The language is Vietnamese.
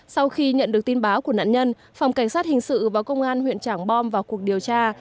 sau khi nhận được tin báo của nạn nhân phòng cảnh sát hình sự và công an huyện trảng bom vào cuộc điều tra